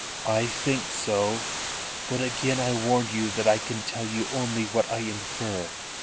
"I think so. But again I warn you that I can tell you only what I infer.